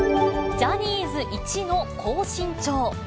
ジャニーズいちの高身長。